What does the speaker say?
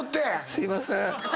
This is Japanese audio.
すいませーん。